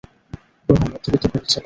রোহান মধ্যবিত্ত ঘরের ছেলে।